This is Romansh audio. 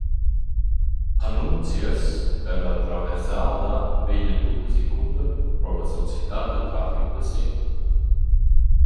Annunzchas per la «Traversada» vegnan tuttas incunter pro la Società da trafic da Sent.